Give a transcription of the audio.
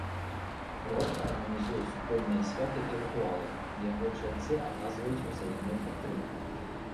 Род арганізуе супольныя святы і рытуалы, яго чальцы аказваюць узаемную падтрымку.